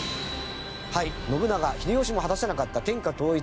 信長秀吉も果たせなかった天下統一。